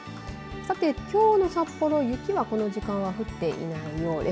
さて、きょうの札幌雪はこの時間は降っていないようです。